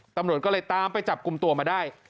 ตำรวจก็เลยตามไปจับกลุ่มตัวมาได้